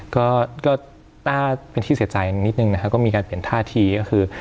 ก็น่าเป็นที่เสียใจนิดนึงนะครับก็มีการเปลี่ยนท่าทีก็คือ